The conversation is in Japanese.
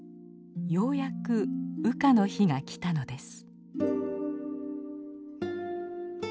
ようやく羽化の日が来たのです。